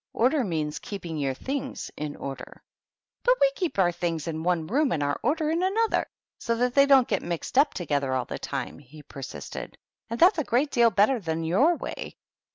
Order means keeping your things in order." " But we keep our things in one room and our order in another, so that they don't get mixed up together all the time," he persisted, " and that's a great deal better than your way.